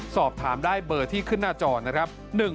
สอบถามได้เบอร์ที่ขึ้นหน้าจอนะครับ